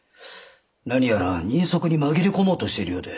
何やら人足に紛れ込もうとしているようで。